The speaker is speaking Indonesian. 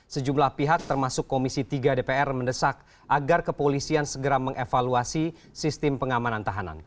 sejumlah pihak termasuk komisi tiga dpr mendesak agar kepolisian segera mengevaluasi sistem pengamanan tahanan